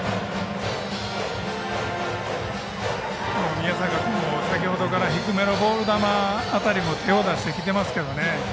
宮坂君も先ほどから低めのボール球辺りにも手を出してきていますけれどもね。